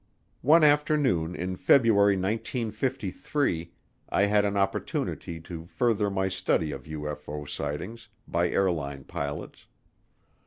One afternoon in February 1953 I had an opportunity to further my study of UFO sightings by airline pilots.